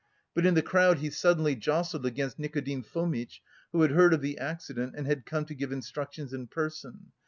But in the crowd he suddenly jostled against Nikodim Fomitch, who had heard of the accident and had come to give instructions in person.